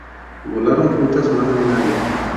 Volaron juntas más de un año.